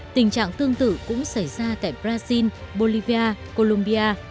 tình trạng tương tự cũng xảy ra tại brazil bolivia colombia